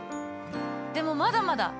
でもまだまだ！